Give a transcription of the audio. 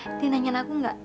nanti nanyain aku enggak